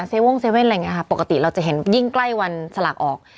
เส้งโรงเซเวินอย่างเงี้ยค่ะปกติเราจะเห็นยิ่งใกล้วันสลักออก